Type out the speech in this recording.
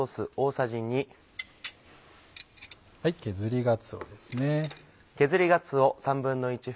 削りがつおですね。